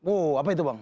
oh apa itu bang